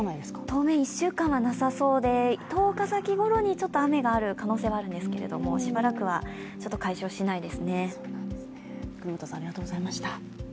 当面１週間はなさそうで、１０日先ほどにちょっと雨がある可能性はあるんですけれどもしばらくはちょっと解消しないですね。